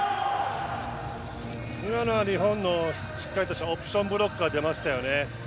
今のは日本のしっかりしたオプションブロックが出ましたよね。